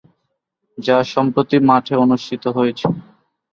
যা সম্প্রতি মাঠে অনুষ্ঠিত হয়েছে।